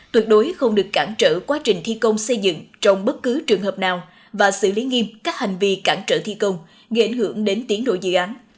tuyệt đối không được cản trở quá trình thi công xây dựng trong bất cứ trường hợp nào và xử lý nghiêm các hành vi cản trở thi công gây ảnh hưởng đến tiến độ dự án